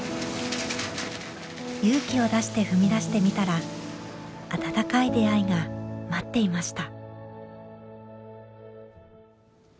勇気を出して踏み出してみたら温かい出会いが待っていました。